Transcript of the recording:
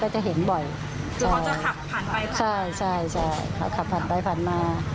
คือเขาจะขับผ่านไปผ่านมาใช่ใช่ขับผ่านไปผ่านมา